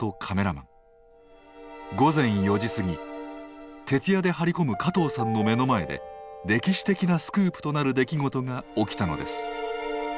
午前４時過ぎ徹夜で張り込む加藤さんの目の前で歴史的なスクープとなる出来事が起きたのです。